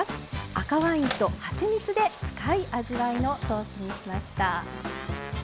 赤ワインとはちみつで深い味わいのソースにしました。